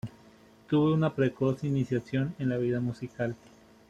Tuvo una precoz iniciación en la vida musical.